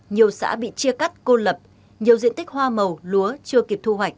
nhiều xã bị chia cắt cô lập nhiều diện tích hoa màu lúa chưa kịp thu hoạch